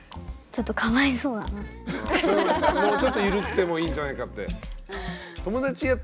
それはもうちょっとゆるくてもいいんじゃないかって。